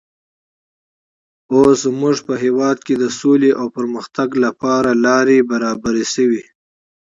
اوس زموږ په هېواد کې د سولې او پرمختګ لپاره لارې برابرې شوې.